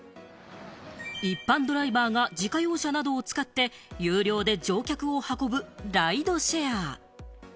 一般ドライバーが自家用車などを使って有料で乗客を運ぶ、ライドシェア。